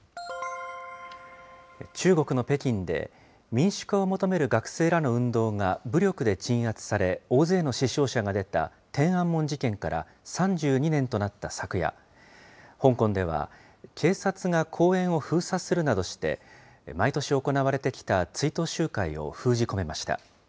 中国の北京で、民主化を求める学生らの運動が武力で鎮圧され、大勢の死傷者が出た天安門事件から３２年となった昨夜、香港では警察が公園を封鎖するなどして、毎年行われてきた追悼集会を封じ込めました。